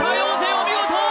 お見事！